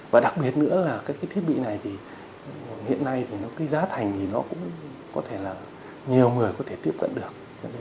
và đặc biệt nữa là các thiết bị này thì hiện nay giá thành thì nó cũng có thể là nhiều người có thể tiếp cận được